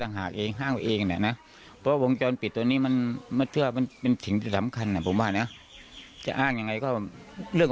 แต่มันเกิดมันเกิดมาแล้วก็เรา